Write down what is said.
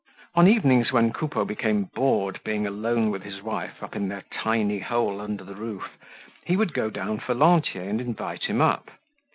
On evenings when Coupeau became bored being alone with his wife up in their tiny hole under the roof, he would go down for Lantier and invite him up.